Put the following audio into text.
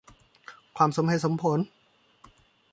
ความสมเหตุสมผล